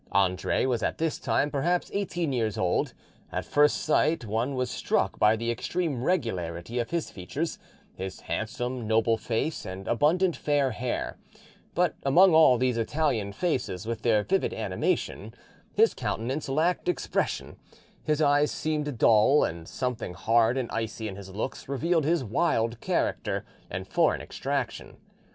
Andre was at this time perhaps eighteen years old: at first sight one was struck by the extreme regularity of his features, his handsome, noble face, and abundant fair hair; but among all these Italian faces, with their vivid animation, his countenance lacked expression, his eyes seemed dull, and something hard and icy in his looks revealed his wild character and foreign extraction.